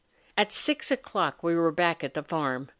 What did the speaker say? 293 At six o'clock, we were back at the farm.